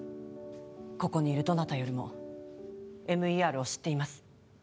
ここにいるどなたよりもＭＥＲを知っています